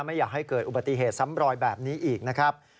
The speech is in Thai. ไม่อยากให้เกิดอุบัติเหตุซ้ำรอยแบบนี้อีกนะครับ